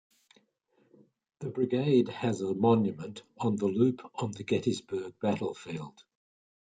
The brigade has a monument on the Loop on the Gettysburg Battlefield.